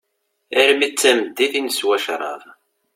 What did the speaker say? Armi d-tameddit, i neswa crab.